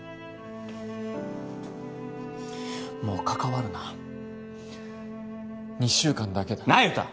もう関わるな２週間だけだ那由他！